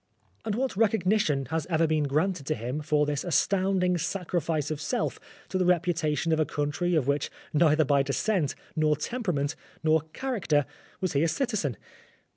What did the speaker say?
And what recognition has ever been granted to him for this astounding sacrifice of self to the reputation of a country of which neither by descent, nor temperament, nor character was he a citizen